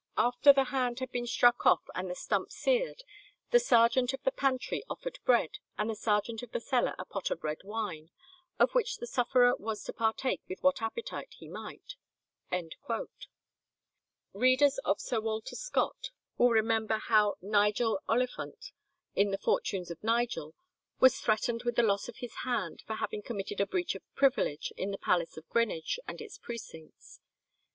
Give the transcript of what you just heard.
"After the hand had been struck off and the stump seared, the sergeant of the pantry offered bread, and the sergeant of the cellar a pot of red wine, of which the sufferer was to partake with what appetite he might." Readers of Sir Walter Scott will remember how Nigel Olifaunt, in the "Fortunes of Nigel," was threatened with the loss of his hand for having committed a breach of privilege in the palace of Greenwich and its precincts.